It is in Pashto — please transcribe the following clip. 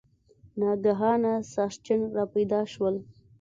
ناګهانه ساسچن را پیدا شول.